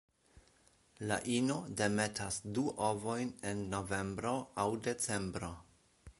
La ino demetas du ovojn en novembro aŭ decembro.